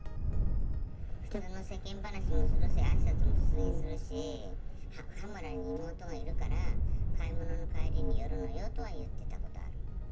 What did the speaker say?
普通の世間話もするし、あいさつもするし、羽村に妹がいるから、買い物の帰りに寄るのよとは言ってたことある。